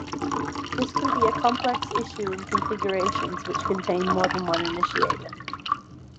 This can be a complex issue in configurations which contain more than one initiator.